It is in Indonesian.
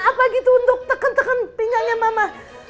apa gitu untuk teken teken pinggangnya mama